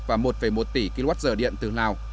và một một tỷ kwh điện từ lào